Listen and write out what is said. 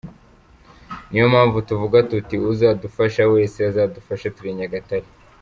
Ni yo mpamvu tuvuga tuti uzadufasha wese, azadufashe turi i Nyagatare.